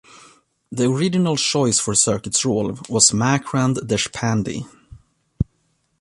The original choice for Circuit's role was Makrand Deshpande.